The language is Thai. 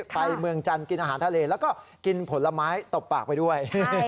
ไปเมืองจันทร์กินอาหารทะเลแล้วก็กินผลไม้ตบปากไปด้วย